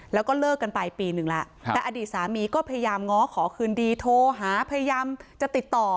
แล้วก็เลิกกันไปปีหนึ่งแล้วแต่อดีตสามีก็พยายามง้อขอคืนดีโทรหาพยายามจะติดต่อ